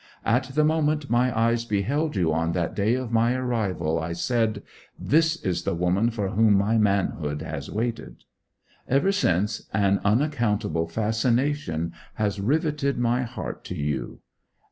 At the moment my eyes beheld you on that day of my arrival, I said, "This is the woman for whom my manhood has waited." Ever since an unaccountable fascination has riveted my heart to you.